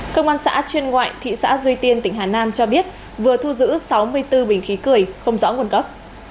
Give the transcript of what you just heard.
công an xã chuyên ngoại thị xã duy tiên tỉnh hà nam cho biết vừa thu giữ sáu mươi bốn bình khí cười không rõ nguồn gốc